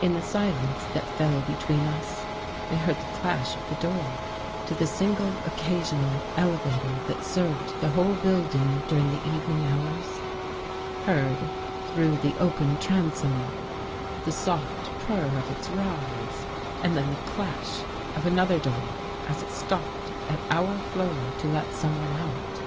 In the silence that fell between us, we heard the clash of the door to the single occasional elevator that served the whole building during the evening hours — heard, through the open transom, the soft i8i THE GHOST GIRL purr of its rise and then the clash of another door as it stopped at our floor to let someone out.